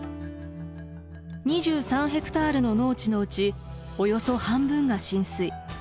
２３ヘクタールの農地のうちおよそ半分が浸水。